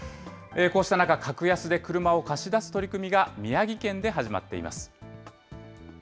こうした中、格安で車を貸し出す取り組みが、宮城県で始まっています。